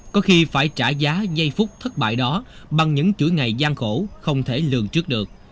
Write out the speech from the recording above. có khi phải trả giá giây phút thất bại đó bằng những chuỗi ngày gian khổ không thể lường trước được